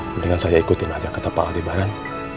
mendingan saya ikutin aja kata pak adebaran